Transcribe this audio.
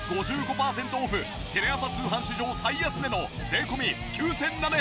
パーセントオフテレ朝通販史上最安値の税込９７８０円。